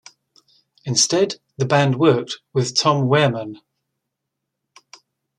Instead, the band worked with Tom Werman.